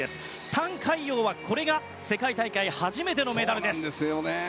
タン・カイヨウはこれが世界大会初めてのメダルです。